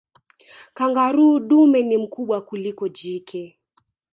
kangaroo dume ni mkubwa kuliko jike